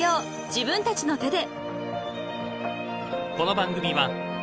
自分たちの手で］